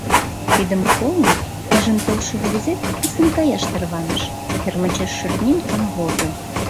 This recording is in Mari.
Тидым колын, пижын толшо рвезет писын каяш тарваныш, кермычеш шӱртнен камвозо.